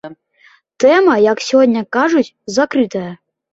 Тэма, як сёння кажуць, закрытая.